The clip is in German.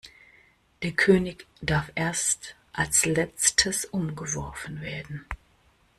Der König darf erst als Letztes umgeworfen werden.